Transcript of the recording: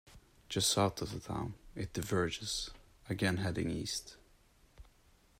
Just south of the town, it diverges, again heading east.